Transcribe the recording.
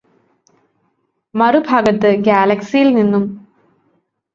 മറുഭാഗത്ത് ഗാലക്സിയിൽ നിന്നും